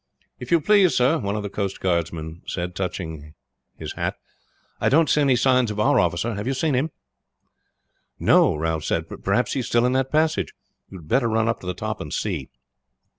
"If you please, sir," one of the coast guard men said, touching his hat, "I don't see any signs of our officer. Have you seen him?" "No," Ralph said. "Perhaps he is still in that passage. You had better run up to the top and see."